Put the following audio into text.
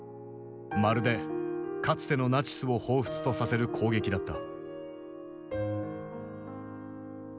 まるでかつてのナチスを彷彿とさせる攻撃だった。